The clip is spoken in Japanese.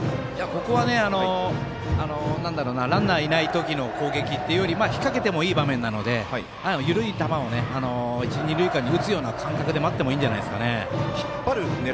ここはね、ランナーがいない時の攻撃っていうより引っ掛けてもいい場面なので緩い球を一、二塁間に打つような感覚で待ってもいいんじゃないですかね。